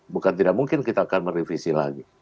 bukan tidak mungkin kita akan merevisi lagi